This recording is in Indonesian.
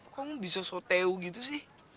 kamu bisa soteo gitu sih